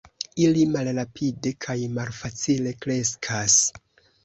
Ili malrapide kaj malfacile kreskas.